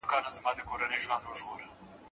میز څېړنه ډېر فزیکي حرکت نه غواړي.